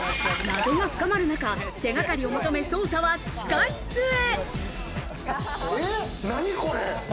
謎が深まるなか、手がかりを求め、捜査は地下室へ。